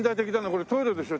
これトイレでしょ？